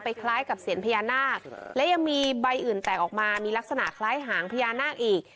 คล้ายกับเสียญพญานาคและยังมีใบอื่นแตกออกมามีลักษณะคล้ายหางพญานาคอีก